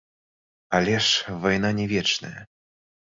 Але ж вайна не вечная.